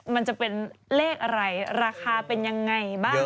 มันจะเป็นเลขอะไรราคาเป็นยังไงบ้าง